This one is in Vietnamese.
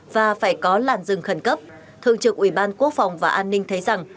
và phải có làn rừng khẩn cấp thường trực ủy ban quốc phòng và an ninh thấy rằng